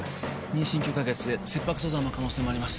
妊娠９カ月で切迫早産の可能性もあります